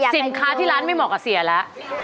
สินค้าที่ร้านไม่เหมาะกับเสียแล้ว